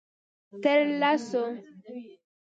_تر لسو.